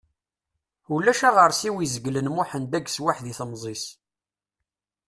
Ulac aɣersiw izeglen Muḥend ageswaḥ di temẓi-s.